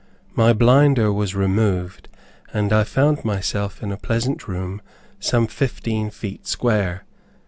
My blinder was removed, and I found myself in a pleasant room some fifteen feet square.